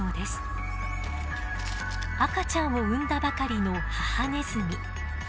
赤ちゃんを産んだばかりの母ネズミ。